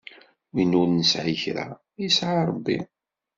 Win ur nesɛi kra, yesɛa Rebbi.